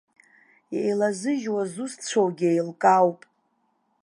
Еилазыжьуа зусҭцәоугьы еилкаауп.